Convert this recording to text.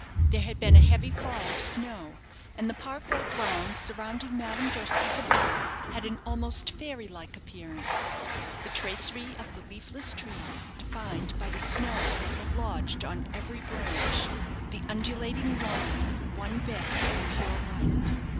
There had been a heavy fall of snow, and the park like grounds surrounding Madame Durski's abode had an almost fairy like appearance, the tracery of the leafless trees defined by the snow that had lodged on every branch, the undulating lawn one bed of pure white.